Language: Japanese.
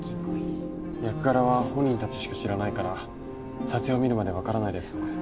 役柄は本人たちしか知らないから撮影を見るまでわからないですね。